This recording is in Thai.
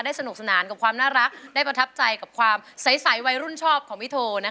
สนุกสนานกับความน่ารักได้ประทับใจกับความใสวัยรุ่นชอบของพี่โท